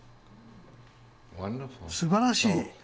すばらしい。